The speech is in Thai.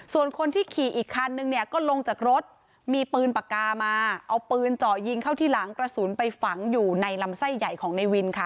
ส่วนคนที่ขี่อีกคันนึงเนี่ยก็ลงจากรถมีปืนปากกามาเอาปืนเจาะยิงเข้าที่หลังกระสุนไปฝังอยู่ในลำไส้ใหญ่ของในวินค่ะ